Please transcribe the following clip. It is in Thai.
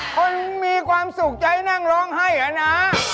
คนมีความสุขใจนั่งร้องไห้เหรอน้า